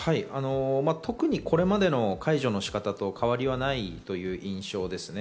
特にこれまでの解除の仕方と変わりがない印象です。